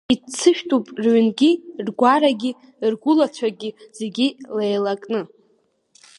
Иццышәтәуп рыҩнгьы ргәарагьы, ргәылацәагьы зегьы леилакны.